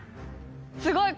すごい！